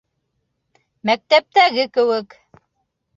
Мәктәптәге кеүек.